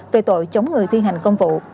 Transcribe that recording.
về tội chống người thi hành công vụ